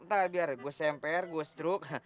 entah biar gue semper gue struk